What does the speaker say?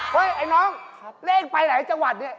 เฮ้ยไอ้น้องนี่เองไปไหนจังหวัดเนี่ย